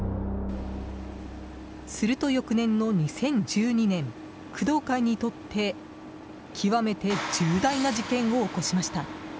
すると翌年の２０１２年工藤会にとって極めて重大な事件を起こしました。